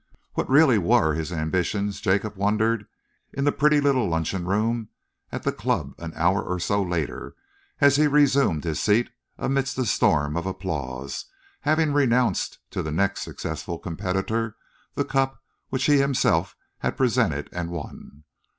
What really were his ambitions, Jacob wondered, in the pretty little luncheon room at the club an hour or so later, as he resumed his seat amidst a storm of applause, having renounced to the next successful competitor the cup which he had himself presented and won.